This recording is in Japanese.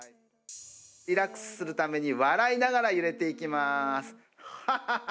リラックスするために笑いながら揺れていきます。